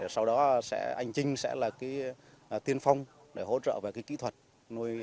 sau đó anh chinh sẽ là cái tiên phong để hỗ trợ về cái kỹ thuật nuôi